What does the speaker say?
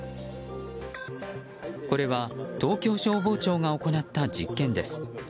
これは、東京消防庁が行った実験です。